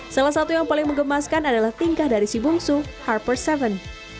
salah satu yang paling mengemaskan adalah tingkah dari si bungsu harper tujuh